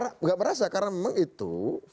tidak merasa karena memang itu